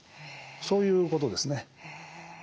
そういうことですね。